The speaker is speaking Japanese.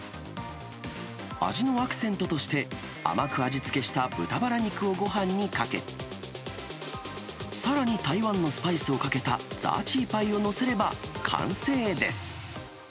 味のアクセントとして、甘く味付けした豚バラ肉をごはんにかけ、さらに台湾のスパイスをかけたザーチーパイを載せれば完成です。